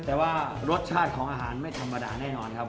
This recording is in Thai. แต่ว่ารสชาติของอาหารไม่ธรรมดาแน่นอนครับ